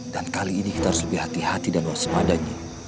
dan kali ini kita harus lebih hati hati dan waspadanya